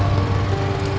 uya buka gerbang